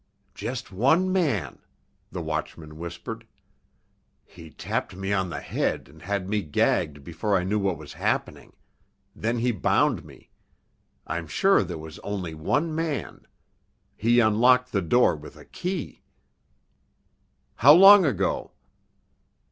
"Just one man!" the watchman whispered. "He tapped me on the head and had me gagged before I knew what was happening. Then he bound me. I'm sure there was only one man. He unlocked the door with a key." "How long ago?"